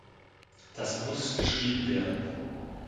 Das muss geschrieben werden!